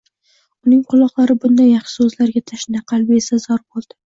Uning quloqlari bunday yaxshi so'zlarga tashna, qalbi esa zor bo'ldi.